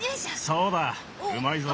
そうだうまいぞ。